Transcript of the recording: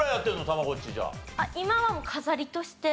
たまごっちじゃあ。